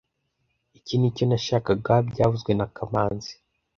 Iki nicyo nashakaga byavuzwe na kamanzi